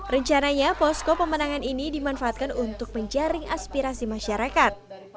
rencananya posko pemenangan ini dimanfaatkan untuk menjaring aspirasi masyarakat